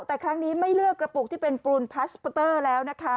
แต่ครั้งนี้ไม่เลือกกระปุกที่เป็นฟูนพลาสปอเตอร์แล้วนะคะ